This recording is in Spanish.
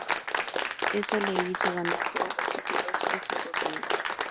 Eso le hizo ganar todos los títulos esos dos años.